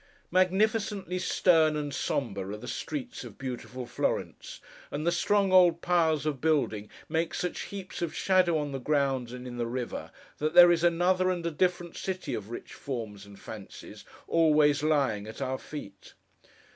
Magnificently stern and sombre are the streets of beautiful Florence; and the strong old piles of building make such heaps of shadow, on the ground and in the river, that there is another and a different city of rich forms and fancies, always lying at our feet.